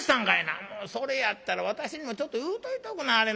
もうそれやったら私にもちょっと言うといておくんなはれな。